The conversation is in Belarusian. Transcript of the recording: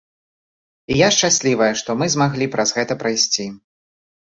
І я шчаслівая, што мы змаглі праз гэта прайсці.